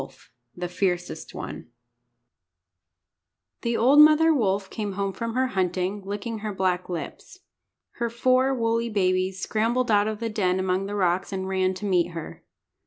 _] THE FIERCEST ONE THE old mother wolf came home from her hunting, licking her black lips. Her four woolly babies scrambled out of the den among the rocks, and ran to meet her.